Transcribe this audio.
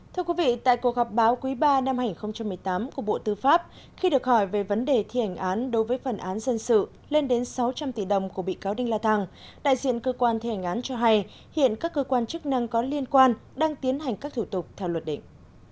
thưa quý vị tại cuộc gặp báo quý ba năm hai nghìn một mươi tám của bộ tư pháp khi được hỏi về vấn đề thi hành án đối với phần án dân sự lên đến sáu trăm linh tỷ đồng của bị cáo đinh la thăng đại diện cơ quan thi hành án cho hay hiện các cơ quan chức năng có liên quan đang tiến hành các thủ tục theo luật định